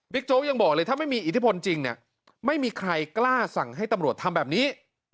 โจ๊กยังบอกเลยถ้าไม่มีอิทธิพลจริงเนี่ยไม่มีใครกล้าสั่งให้ตำรวจทำแบบนี้